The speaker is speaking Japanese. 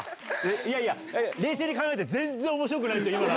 いやいや、冷静に考えて、全然おもしろくないですよ、今の話。